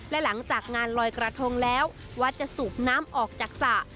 และหลังจากงานลอยกระทงแล้ววัดจะสูบน้ำออกจากสระ